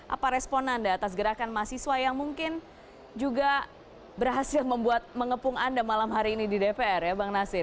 apa respon anda atas gerakan mahasiswa yang mungkin juga berhasil membuat mengepung anda malam hari ini di dpr ya bang nasir